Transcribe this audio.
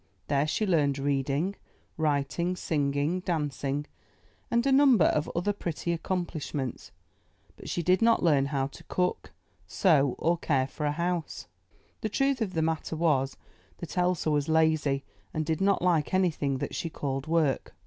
There she learned reading, writing, sing ing, dancing, and a number of other pretty accom plishments, but she did not learn how to cook, sew, or care for a house. The truth of the matter was, that Elsa was lazy and did not like anything that she called work.